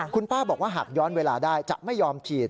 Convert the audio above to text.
คุณป้าบอกว่าหากย้อนเวลาได้จะไม่ยอมฉีด